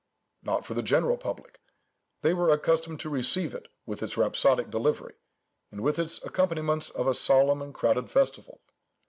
Not for the general public—they were accustomed to receive it with its rhapsodic delivery, and with its accompaniments of a solemn and crowded festival.